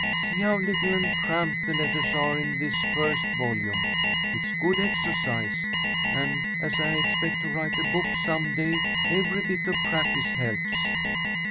See how little and cramped the letters are in this first volume. It's good exercise, and, as I expect to write a book some day, every bit of practice helps."